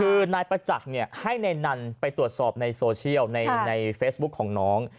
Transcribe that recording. คือนายประจักษ์ให้นายนันไปตรวจสอบในโซเชียลในเฟซบุ๊คของน้อง